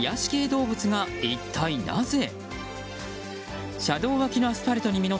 動物が一体なぜ？